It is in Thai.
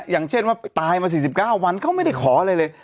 อย่างเช่นว่าตายมา๔๙วันเขาไม่ได้ขออะไรเลย